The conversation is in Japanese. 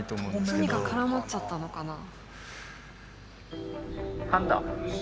何か絡まっちゃったのかな。